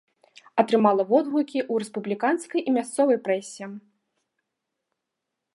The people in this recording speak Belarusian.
Атрымала водгукі ў рэспубліканскай і мясцовай прэсе.